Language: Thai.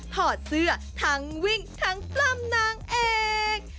ถอดเสื้อทั้งวิ่งทั้งปล้ำนางเอก